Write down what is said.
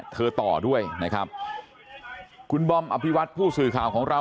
ต่อด้วยนะครับคุณบอมอภิวัตผู้สื่อข่าวของเรา